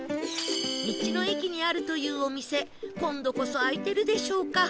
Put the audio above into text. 道の駅にあるというお店今度こそ開いてるでしょうか？